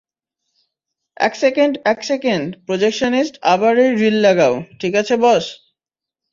এক সেকেন্ড, এক second, projectionist আবার এই রিল লাগাও ঠিক আছে বস।